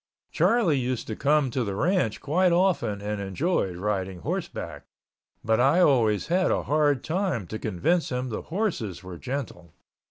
Charlie used to come to the ranch quite often and enjoyed riding horseback, but I always had a hard time to convince him the horses were gentle.